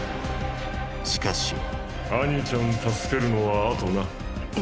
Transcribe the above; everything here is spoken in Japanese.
しかしアニちゃん助けるのは後な。